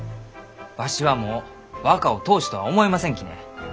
わしはもう若を当主とは思いませんきね。